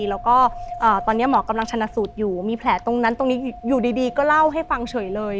แล้วก็ตอนนี้หมอกำลังชนะสูตรอยู่มีแผลตรงนั้นตรงนี้อยู่ดีก็เล่าให้ฟังเฉยเลย